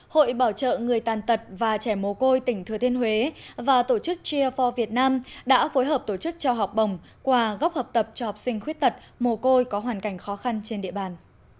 hội bảo trợ người tàn tật và trẻ mồ côi tỉnh thừa thiên huế và tổ chức cheer for việt nam đã phối hợp tổ chức trao học bồng qua góc học tập cho học sinh khuyết tật mồ côi có hoàn cảnh khó khăn trên địa bàn